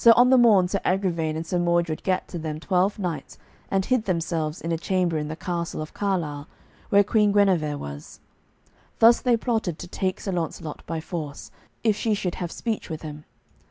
So on the morn Sir Agravaine and Sir Mordred gat to them twelve knights and hid themselves in a chamber in the castle of Carlisle, where Queen Guenever was; thus they plotted to take Sir Launcelot by force, if she should have speech with him.